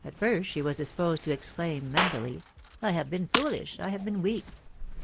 first, she was disposed to exclaim mentally, " I hare been foolish— I have been weakJ'